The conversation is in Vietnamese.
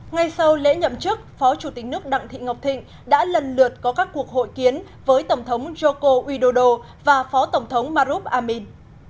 ngay sau lễ nhậm chức phó chủ tịch nước đặng thị ngọc thịnh đã lần lượt có các cuộc hội kiến với tổng thống joko widodo và phó tổng thống marub amin